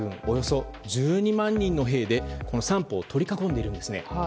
およそ１２万人の兵で三方を取り囲んでいるんですね。